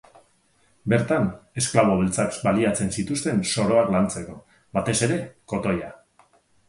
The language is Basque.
Bertan esklabo beltzak baliatzen zituen soroak lantzeko, batez ere kotoia.